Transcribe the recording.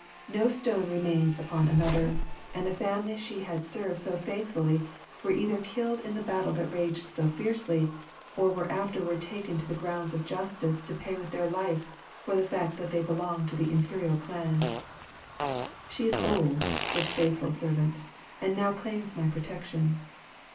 No stone remains upon another; and the family she had served so faithfully were either killed in the battle that raged so fiercely, or were afterward taken to the grounds of Justice to pay with their life for the fact that they belonged to the Imperial Clan. She is old, this faithful servant, and now claims my protection.